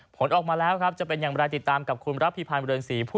ผลออกมาแล้วครับจะเป็นอย่างไรติดตามกับคุณรับพิพันธ์เรือนศรี